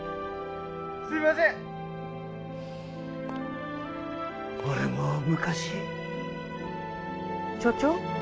すいません俺も昔所長？